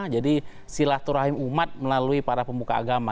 jadi silaturahmi umat melalui para pembuka agama